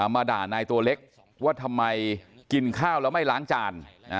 มาด่านายตัวเล็กว่าทำไมกินข้าวแล้วไม่ล้างจาน